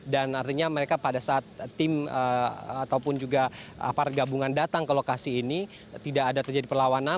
dan artinya mereka pada saat tim ataupun juga aparat gabungan datang ke lokasi ini tidak ada terjadi perlawanan